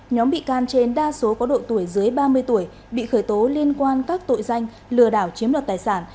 nhóm bị can trên đa số có độ tuổi dưới ba mươi tuổi bị khởi tố liên quan các tội danh lừa đảo chiếm đoạt tài sản